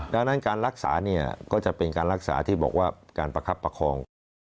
ดังนั้นการรักษาเนี่ยก็จะเป็นการรักษาที่บอกว่าการประคับประคอง